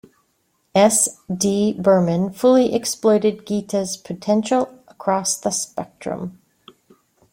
S D Burman fully exploited Geeta's potential across the spectrum.